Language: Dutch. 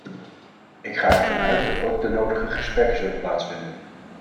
Ik ga ervan uit dat ook de nodige gesprekken zullen plaatsvinden.